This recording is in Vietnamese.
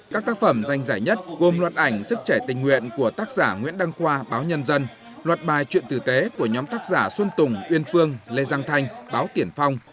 các tác phẩm danh giải nhất gồm luật ảnh sức trẻ tình nguyện của tác giả nguyễn đăng khoa báo nhân dân luật bài chuyện tử tế của nhóm tác giả xuân tùng uyên phương lê giang thanh báo tiển phong